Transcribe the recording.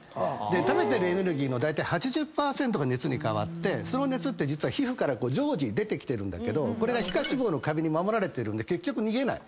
食べてるエネルギーのだいたい８０％が熱に変わってその熱って実は皮膚から常時出てきてるんだけどこれが皮下脂肪の壁に守られてるんで結局逃げない。